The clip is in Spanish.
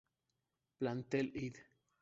Plantel" ed.